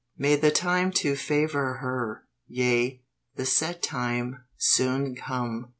May the time to favor her, yea, the set time, soon come.